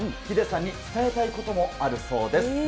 ヒデさんに伝えたいこともあるそうです。